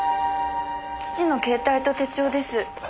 父の携帯と手帳です。